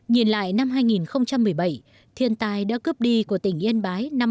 nhìn lại năm hai nghìn một mươi bảy thiên tài đã cướp đi của tỉnh yên bái năm mươi ba sinh mạng